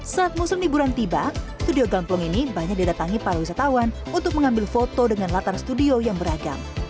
saat musim liburan tiba studio gamplong ini banyak didatangi para wisatawan untuk mengambil foto dengan latar studio yang beragam